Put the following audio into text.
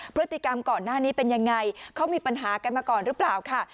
พฤติกรรมก่อนหน้านี้เป็นยังไงเขามีปัญหากันมาก่อนหรือเปล่าค่ะ